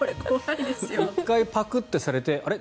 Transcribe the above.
１回パクってされてあれ？